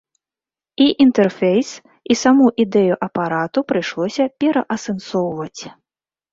І інтэрфейс, і саму ідэю апарату прыйшлося пераасэнсоўваць.